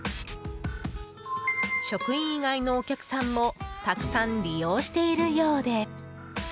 職員以外のお客さんもたくさん利用しているようで。